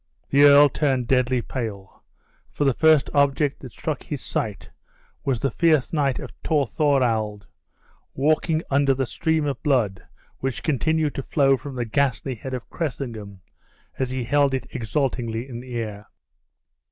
The earl turned deadly pale; for the first object that struck his sight was the fierce knight of Torthorald, walking under the stream of blood which continued to flow from the ghastly head of Cressingham, as he held it exultingly in the air.